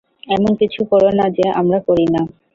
এমন কিছু কোরো না যা আমরা করি না।